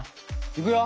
いくよ。